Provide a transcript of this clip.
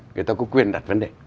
người ta có quyền đặt vấn đề